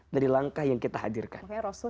dari langkah yang kita hadirkan